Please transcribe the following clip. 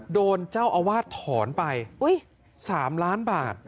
โดนเจ้าอาวาสถอนไปอุ้ยสามล้านบาท